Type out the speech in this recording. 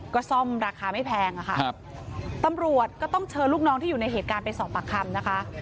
ก็ซ่อมราคาไม่แพงอะค่ะครับตำรวจก็ต้องเชิญลูกน้องที่อยู่ในเหตุการณ์ไปสอบปากคำนะคะ